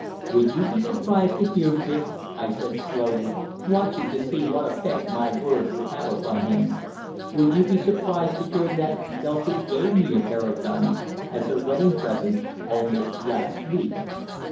"Would you be surprised to hear, Dick," I said slowly, watching to see what effect my words would have upon him, "would you be surprised to hear that Dulcie gave me a pair of guns, as her wedding present, only last week?"